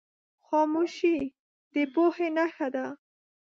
خاموشي، د پوهې نښه ده.